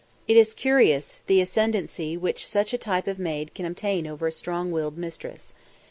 It is curious, the ascendancy which such a type of maid can obtain over a strong willed mistress.